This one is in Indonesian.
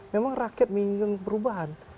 memang rakyat menginginkan perubahan